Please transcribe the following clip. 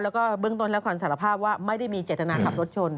แล้วก็เบื้องต้นและความสารภาพว่าไม่ได้มีเจตนาขับรถชน